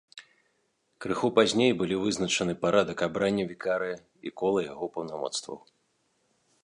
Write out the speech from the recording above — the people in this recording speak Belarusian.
Крыху пазней былі вызначаны парадак абрання вікарыя і кола яго паўнамоцтваў.